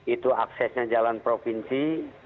itu aksesnya jalan provinsi